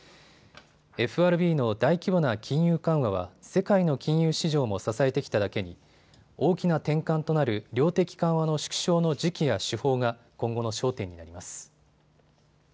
ＦＲＢの大規模な金融緩和は世界の金融市場も支えてきただけに大きな転換となる量的緩和の縮小の時期や手法が今後の焦点になります。